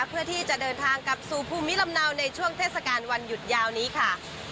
เพื่อที่จะเดินทางกลับสู่ภูมิลำเนาในช่วงเทศกาลวันหยุดยาวนี้ค่ะ